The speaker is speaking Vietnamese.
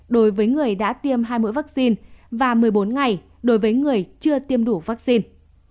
đối với người đã tiêm hai mũi vaccine và một mươi bốn ngày đối với người chưa tiêm đủ vaccine